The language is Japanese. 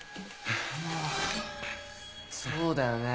ハァそうだよね。